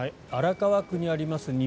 荒川区にあります